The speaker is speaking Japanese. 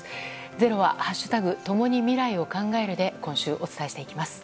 「ｚｅｒｏ」は「＃共に未来を考える」で今週お伝えしていきます。